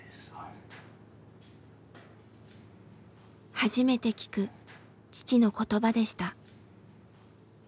初めて聞く父の言葉でした。